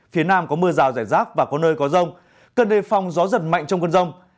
phía nam có mưa rào rải rác và có nơi có rông cần đề phòng gió giật mạnh trong cơn rông